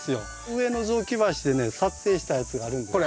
上の雑木林でね撮影したやつがあるんです。